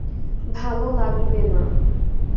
ভালো লাগিবে না!